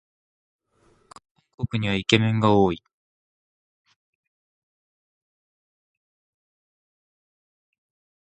韓国にはイケメンが多い